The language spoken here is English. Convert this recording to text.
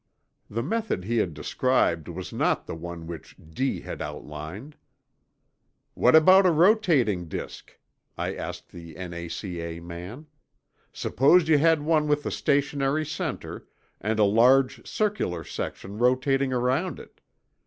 The method he had described was not the one which D——— had outlined. "What about a rotating disk?" I asked the N.A.C.A. man. "Suppose you had one with a stationary center, and a large circular section rotating around it?